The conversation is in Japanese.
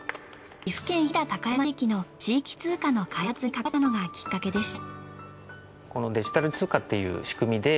岐阜県・飛騨高山地域の地域通貨の開発に関わったのがきっかけでした。